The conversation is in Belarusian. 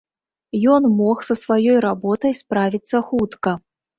Ён мог са сваёй работай справіцца хутка.